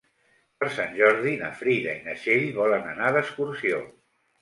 Per Sant Jordi na Frida i na Txell volen anar d'excursió.